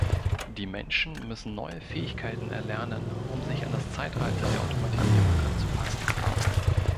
Die Menschen müssen neue Fähigkeiten erlernen, um sich an das Zeitalter der Automatisierung anzupassen.